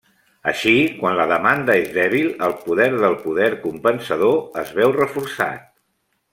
Així, quan la demanda és dèbil, el poder del poder compensador es veu reforçat.